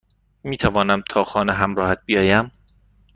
میتوانم تا خانه همراهت بیایم؟